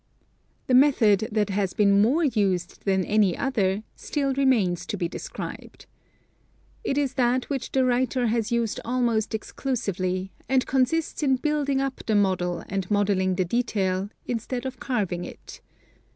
The method that has been more used than any other still remains to be described. It is that which the writer has used almost exclusively, and consists in building up the model and modeling the detail, instead of carv ing it.